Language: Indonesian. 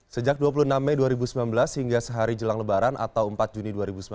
sejak dua puluh enam mei dua ribu sembilan belas hingga sehari jelang lebaran atau empat juni dua ribu sembilan belas